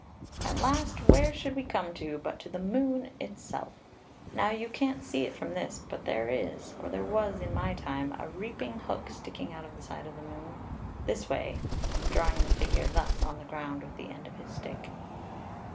"At last where should we come to, but to the moon itself. Now you can't see it from this, but there is, or there was in my time, a reaping hook sticking out of the side of the moon, this way (drawing the figure thus on the ground with the end of his stick).